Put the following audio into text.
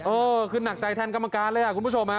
เออคือหนักใจแทนกรรมการเลยคุณผู้ชมฮะ